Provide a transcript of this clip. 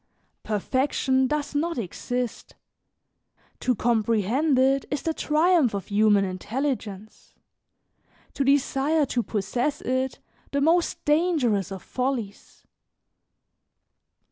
"Perfection does not exist; to comprehend it is the triumph of human intelligence; to desire to possess it, the most dangerous of follies.